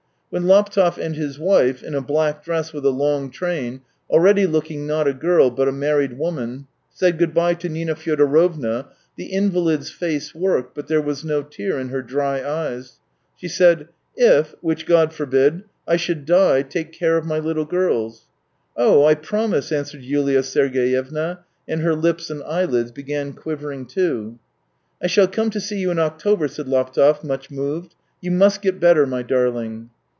When Laptev and his wife, in a black dress with a long train, already looking not a girl but a married woman, said good bye to Nina Fyodorovna, the invalid's face worked, but there was no tear in her dry eyes. She said: THREE YEARS 215 ' If — which God forbid — I should die, take care of my Uttle girls." " Oh, I promise !" answered YuHa Sergeyevna, and her hps and eyeUds began quivering too. " I shall come to see you in October," said Laptev, much moved. " You must get better, my darling."